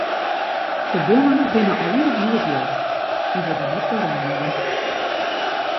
De bonnen binne allinnich hjoed jildich en wurde net weromnommen.